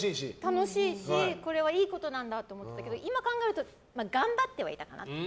楽しいし、これはいいことなんだと思ってたけど今考えると、頑張ってはいたかな。